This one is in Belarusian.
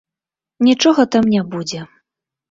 Нічога там не будзе.